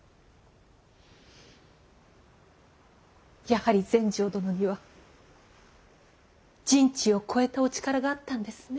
やはり全成殿には人知を超えたお力があったんですね。